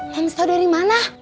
mams tau dari mana